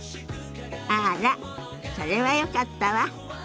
あらそれはよかったわ。